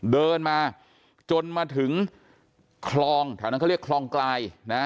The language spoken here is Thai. เดินมาจนมาถึงคลองแถวนั้นเขาเรียกคลองกลายนะ